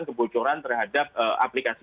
kebocoran terhadap aplikasi